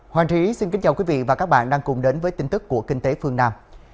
hoàng trí xin kính chào quý vị và các bạn đang cùng đến với tin tức của kinh tế phương nam